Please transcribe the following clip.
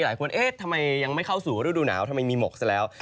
หลายคนเอ๊ะทำไมยังไม่เข้าสู่ฤดูหนาวทำไมมีหมอกซะแล้ว